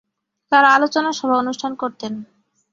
তারা আলোচনা সভা অনুষ্ঠান করতেন।